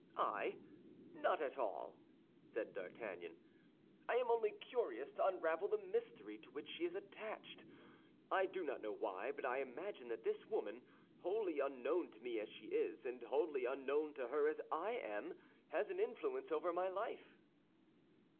"I? not at all!" said D'Artagnan. "I am only curious to unravel the mystery to which she is attached. I do not know why, but I imagine that this woman, wholly unknown to me as she is, and wholly unknown to her as I am, has an influence over my life."